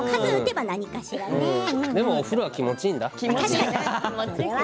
でもお風呂は気持ちいいんだ。